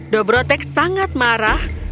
dobrotek sangat marah